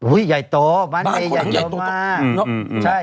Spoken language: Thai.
อุ้ยใหญ่โตบ้านเมย์ใหญ่โตมาก